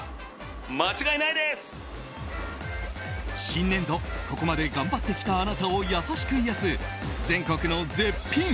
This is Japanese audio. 新年度、ここまで頑張ってきたあなたを優しく癒やす全国の絶品。